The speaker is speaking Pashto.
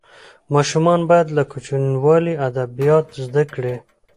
ماشومان باید له کوچنیوالي ادبیات زده کړي.